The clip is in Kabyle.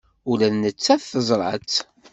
Ula d nettat teẓra-tt.